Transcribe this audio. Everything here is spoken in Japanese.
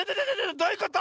どういうこと⁉